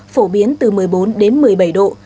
phổ biến từ một mươi bốn đến một mươi bảy độ